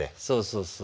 そうそう。